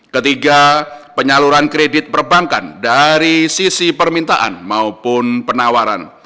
ketiga penyaluran kredit perbankan dari sisi permintaan maupun penawaran